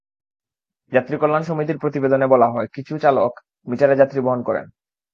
যাত্রী কল্যাণ সমিতির প্রতিবেদনে বলা হয়, কিছু কিছু চালক মিটারে যাত্রী বহন করেন।